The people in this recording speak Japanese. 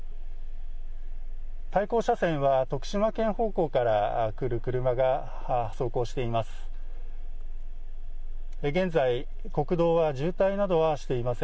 対向車線は徳島県方向から来る車が走行しています。